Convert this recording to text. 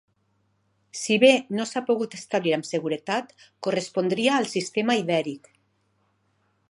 Si bé no s'ha pogut establir amb seguretat, correspondria al sistema Ibèric.